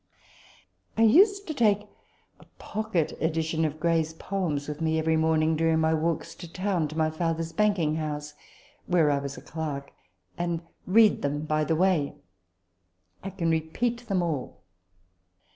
I used to take a pocket edition of Gray's " Poems " with me every morning during my walks to town to my father's banking house, where I was a clerk, and read them by the way. I can repeat them all.